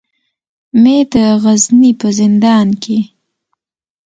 مې د غزني په زندان کې.